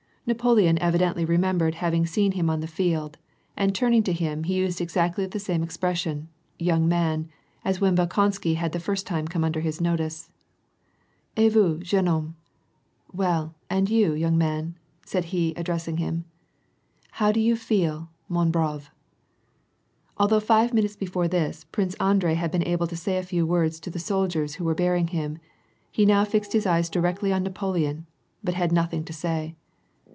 Napoleon evidently remembered having seen him on the iield, and turning to him he used exactly the same expression, ^^ young man/' as when Bolkonsky had the first \ time come under his notice. |^^ Et vouSyjexme homnte. — Well, and you, young man ?" said | he addressing him. " How do you feel, man brave ?"! Although fiWQ minutes before this, Prince Andrei had been j able to say a few words to the soldiers who wert* bearing him, J now he fixed his eyes directly on Napoleon, but had nothing \ to say.